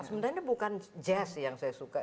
sebenarnya ini bukan jazz yang saya suka